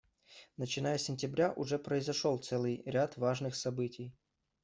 Начиная с сентября уже произошел целый ряд важных событий.